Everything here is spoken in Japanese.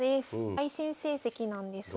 対戦成績なんですが。